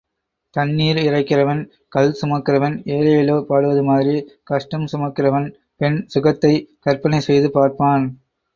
தண்ணீர் இறைக்கிறவன், கல் சுமக்கிறவன் ஏலேலோ பாடுவது மாதிரி... கஷ்டம் சுமக்கிறவன் பெண் சுகத்தைக் கற்பனை செய்து பார்ப்பான்.